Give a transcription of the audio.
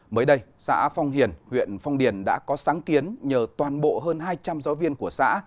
mới đây xã phong hiền huyện phong điền đã có sáng kiến nhờ toàn bộ hơn hai trăm linh giáo viên của xã